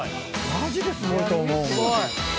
マジですごいと思う。